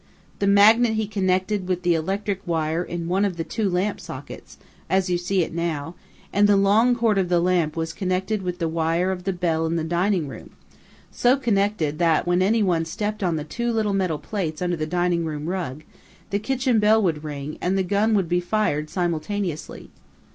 The magnet he connected with the electric wire in one of the two lamp sockets, as you see it now, and the long cord of the lamp was connected with the wire of the bell in the dining room so connected that when anyone stepped on the two little metal plates under the dining room rug, the kitchen bell would ring and the gun would be fired simultaneously.